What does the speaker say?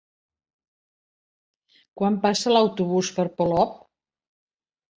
Quan passa l'autobús per Polop?